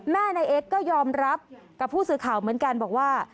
แม่นายเอ็กซก็ยอมรับกับผู้สื่อข่าวเหมือนกันบอกว่า